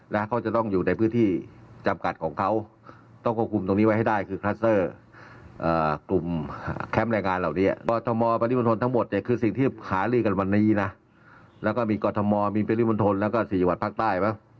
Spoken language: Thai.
แล้วก็มีกรทมมีเปรียบริมนธนแล้วก็สี่หวัดภาคใต้